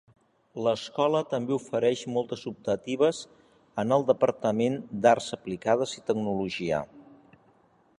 L'escola també ofereix moltes optatives en el departament d'arts aplicades i tecnologia.